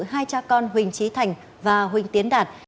hai cha con huỳnh trí thành và huỳnh tiến đạt